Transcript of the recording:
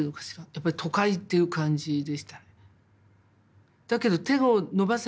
やっぱり都会っていう感じでした。